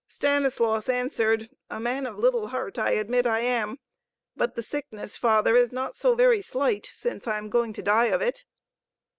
Stanislaus answered, "A man of little heart I admit I am. But the sickness, Father, is not so very slight, since I'm going to die of it."